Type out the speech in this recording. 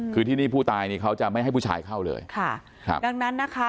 คือที่นี่ผู้ตายนี่เขาจะไม่ให้ผู้ชายเข้าเลยค่ะครับดังนั้นนะคะ